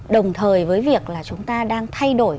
đồng thời với việc là chúng ta đang thay đổi